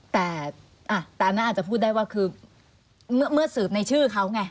แต่ตอนนั้นอาจจะพูดได้ว่าคือเมื่อสืบในชื่อเขาไง